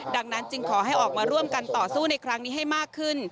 ดังนั้นจึงขอให้ออกมาร่วมกันต่อสู้ในครั้งนี้ให้มากขึ้น